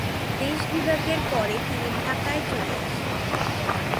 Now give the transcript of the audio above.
দেশবিভাগের পরে তিনি ঢাকায় চলে আসেন।